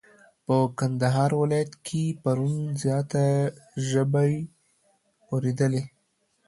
په کندهار ولايت کي پرون زياته ژبی اوريدلې.